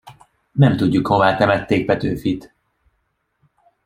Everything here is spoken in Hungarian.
Nem tudjuk, hová temették Petőfit.